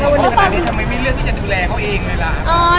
แล้ววันหนึกพางนี้ไม่มีเรื่องดูแลเขาเองเลยละ